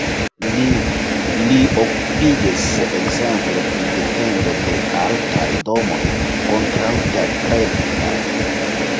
Li okupiĝis ekzemple pri defendo de altaj domoj kontraŭ tertremoj.